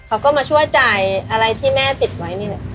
เขาก็มาช่วยจ่ายอะไรที่แม่ติดไว้นี่แหละ